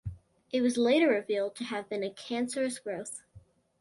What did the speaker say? It was later revealed to have been a cancerous growth.